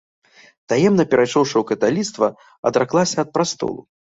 Таемна перайшоўшы ў каталіцтва, адраклася ад прастолу.